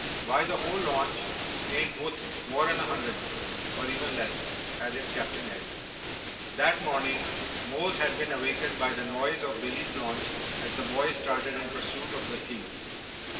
"Why, the whole launch ain't wuth more'n a hundred, or even less!" added Captain Ed. That morning, Mose had been awakened by the noise of Billy's launch as the boys started in pursuit of the thieves.